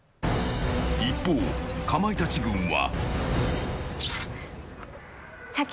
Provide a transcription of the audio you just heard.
一方、かまいたち軍は。